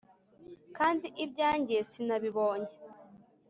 Kandi ibyanjye sinabibonye